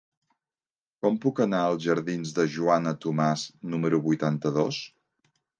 Com puc anar als jardins de Joana Tomàs número vuitanta-dos?